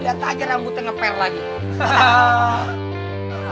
lihat aja rambutnya ngepel lagi